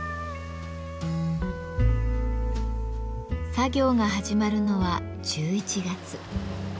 作業が始まるのは１１月。